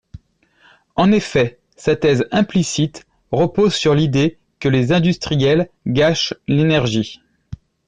En effet, sa thèse implicite repose sur l’idée que les industriels gâchent l’énergie.